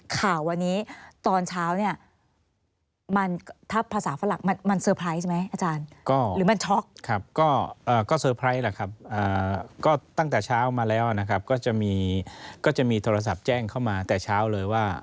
ก็จะมีโทรศัพท์แจ้งเข้ามาแต่เช้าเลยว่า